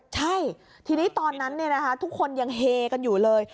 ใช่ทีนี้ตอนนั้นทุกคนยังเฮกันอยู่เลย